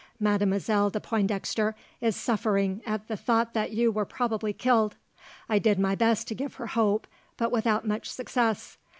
Mademoiselle de Pointdexter is suffering at the thought that you were probably killed. I did my best to give her hope, but without much success.